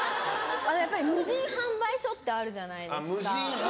無人販売所ってあるじゃないですか。